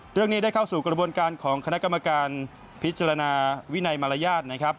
เรื่องนี้ได้เข้าสู่กระบวนการของคณะกรรมการพิจารณาวินัยมารยาทนะครับ